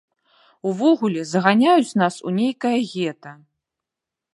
Увогуле, заганяюць нас у нейкае гета!